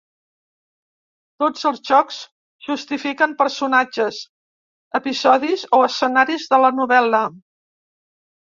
Tots els jocs justifiquen personatges, episodis o escenaris de la novel.la.